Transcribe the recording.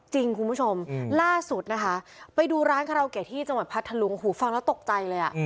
จริงคุณผู้ชมล่าสุดนะคะไปดูร้านคาราโอเกะที่จังหวัดพัทธลุงหูฟังแล้วตกใจเลยอ่ะ